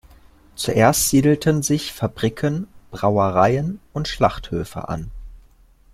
Zuerst siedelten sich Fabriken, Brauereien und Schlachthöfe an.